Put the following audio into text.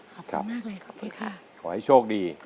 ขอบคุณมากเลย